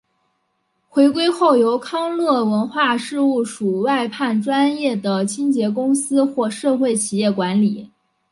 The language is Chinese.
回归后由康乐文化事务署外判专业的清洁公司或社会企业管理。